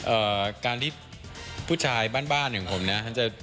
เอ่อการที่ผู้ชายบ้านของผมนะ